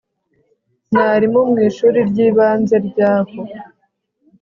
mwarimu mwishuri ryibanze ryaho